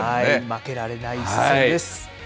負けられない一戦です。